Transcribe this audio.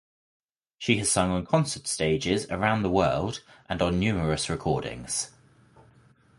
She has sung on concert stages around the world and on numerous recordings.